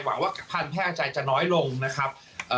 หวังว่ากักพันธุ์แพร่กระจายจะน้อยลงนะครับ